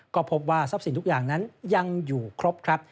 ก็พบว่าทรัพย์สินทุกอย่างนั้นยังอยู่ครบครับ